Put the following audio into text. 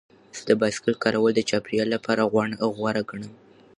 زه د بایسکل کارول د چاپیریال لپاره غوره ګڼم.